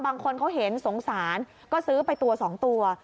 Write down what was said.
บางคนเขาเห็นสงสารก็ซื้อไปตัว๒ตัว